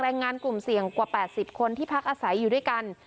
แรงงานกลุ่มเสี่ยงกว่า๘๐คนที่พักอาศัยอยู่ด้วยกัน